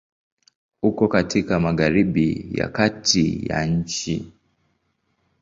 Uko katika Magharibi ya kati ya nchi.